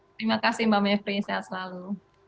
terima kasih mbak mepri sehat selalu